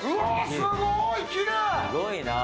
すごいなあ。